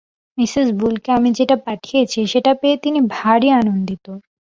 Mrs বুলকে আমি যেটি পাঠিয়েছি, সেটি পেয়ে তিনি ভারি আনন্দিত।